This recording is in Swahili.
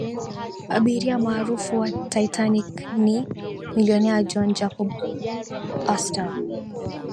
abiria maarufu wa titanic ni milionea john jacob astor